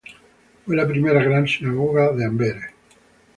Fue la primera gran sinagoga en Amberes.